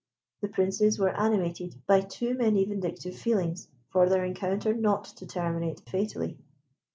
The Princes were animated by too many vindictive feelings for their encounter not to terminate fatally.